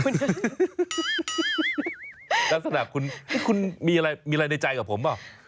นักสนับคุณมีอะไรในใจกับผมหรือเปล่า